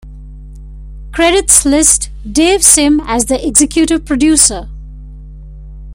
Credits list Dave Sim as the executive producer.